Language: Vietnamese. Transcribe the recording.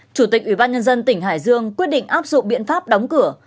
chủ tịch ủy ban nhân dân tỉnh hải dương quyết định áp dụng biện pháp đóng cửa